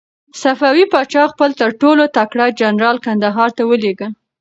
صفوي پاچا خپل تر ټولو تکړه جنرال کندهار ته ولېږه.